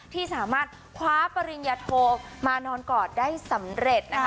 ที่สามารถคว้าปริญญาโทมานอนกอดได้สำเร็จนะคะ